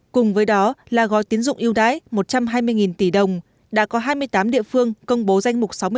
cùng với đó là gói tín dụng yêu đái một trăm hai mươi tỷ đồng đã có hai mươi tám địa phương công bố danh mục